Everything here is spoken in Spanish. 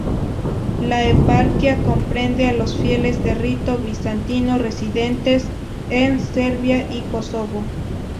La eparquía comprende a los fieles de rito bizantino residentes en Serbia y Kosovo.